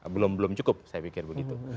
belum belum cukup saya pikir begitu